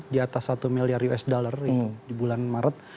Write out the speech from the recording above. di atas satu miliar usd di bulan maret